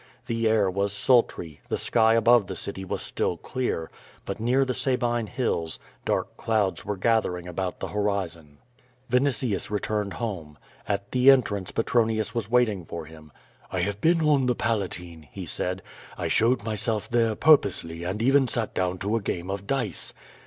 The air was sultry, the sky above the city was still clear, but near the Sabine Hills, dark clouds were gathering about the horizon. A'initius returned home. At the entrance Petronius was waiting for him. "I have been on the Palatine," he said. *T showed myself there purposely and even sat down to a game of dice.